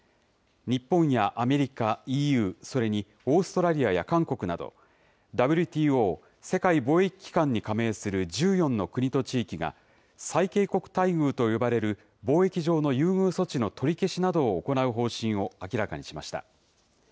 日本やアメリカ、ＥＵ、それにオーストラリアや韓国など、ＷＴＯ・世界貿易機関に加盟する１４の国と地域が、最恵国待遇と呼ばれる貿易上の優遇措置の取り消しなどを行う方針を明らかにしました。